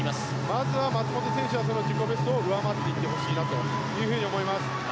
まずは松元選手はその自己ベストを上回っていってほしいなと思います。